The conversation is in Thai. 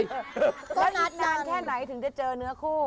แล้วนานแค่ไหนถึงจะเจอเนื้อคู่